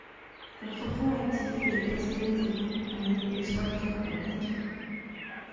Elle reprend l'actif et le personnel des grandes compagnies, et exploite donc la ligne.